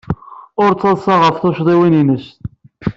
Ur ttaḍsa ɣef tuccḍiwin-nnes.